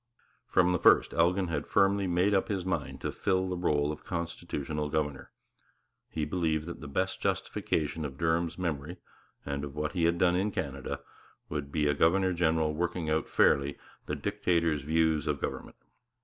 From the first Elgin had firmly made up his mind to fill the rôle of constitutional governor; he believed that the best justification of Durham's memory, and of what he had done in Canada, would be a governor general working out fairly the Dictator's views of government.